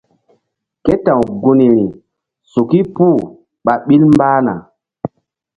Ke ta̧w gunri suki puh ɓa ɓil mbah na.